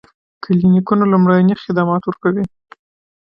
کلینیکونه لومړني خدمات ورکوي